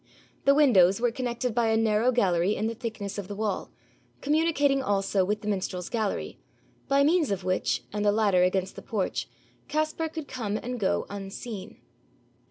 The windows were connected by a narrow gallery in the thickness of the wall, communicating also with the minstrels' gallery, by means of which, and a ladder against the porch, Caspar could come and go unseen.